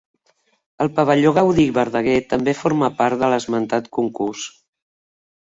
El pavelló Gaudí i Verdaguer també forma part de l'esmentat concurs.